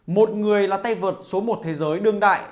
một người là tay vợt số một thế giới đương đại